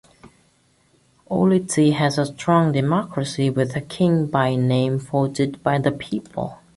Ulithi has a strong democracy with a king by name voted by the people.